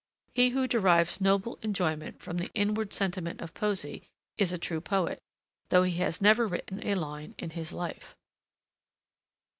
He who derives noble enjoyment from the inward sentiment of poesy is a true poet, though he has never written a line in his life.